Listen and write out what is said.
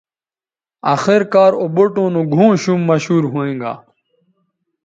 آخر کار او بوٹوں نو گھؤں شُم مشہور ھوینگا